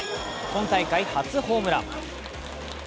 今大会初ホームラン。